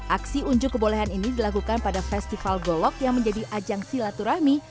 aksi unjuk kebolehan ini dilakukan pada festival golok yang menjadi ajang silaturahmi